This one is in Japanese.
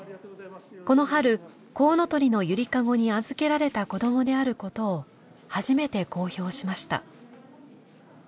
この春こうのとりのゆりかごに預けられた子どもであることを初めて公表しました。